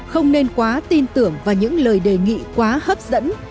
không nên quá tin tưởng vào những lời đề nghị quá hấp dẫn